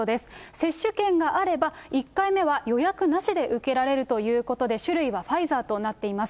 接種券があれば、１回目は予約なしで受けられるということで、種類はファイザーとなっています。